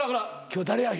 今日誰や。